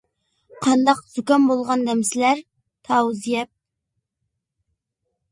قانداق زۇكام بولغان دەمسىلەر؟ تاۋۇز يەپ!